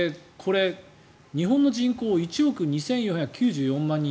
日本の人口、１億２４９４万人。